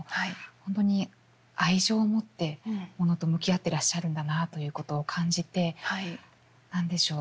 本当に愛情を持ってモノと向き合ってらっしゃるんだなということを感じて何でしょう